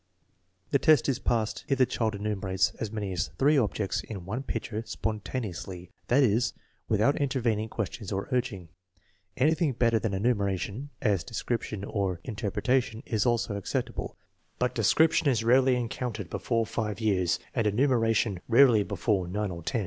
The test is passed if the child enumerates as many as three objects in one picture spontaneously; that is, without intervening questions or urging. Anything better 146 THE MEASUREMENT OF INTELLIGENCE than enumeration (as description or interpretation) is also acceptable, but description is rarely encountered before 5 years and enumeration rarely before 9 or 10.